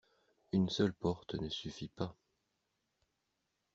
Une seule porte ne suffit pas.